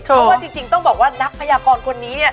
เพราะว่าจริงต้องบอกว่านักพยากรคนนี้เนี่ย